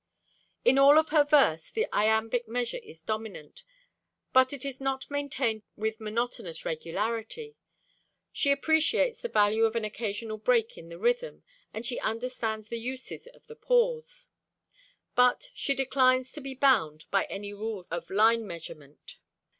In all of her verse, the iambic measure is dominant, but it is not maintained with monotonous regularity. She appreciates the value of an occasional break in the rhythm, and she understands the uses of the pause. But she declines to be bound by any rules of line measurement.